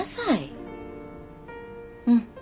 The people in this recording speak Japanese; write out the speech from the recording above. うん。